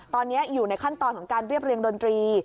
ตอนนี้อยู่ในขั้นตอนของการเรียบเรียงดนตรี